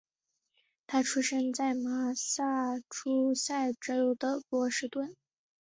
他出生在麻萨诸塞州的波士顿。